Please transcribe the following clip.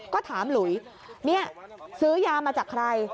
ก็ถามหลุยนี่ซื้อยามาจากใคร